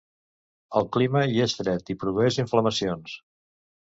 El clima hi és fred, i produeix inflamacions.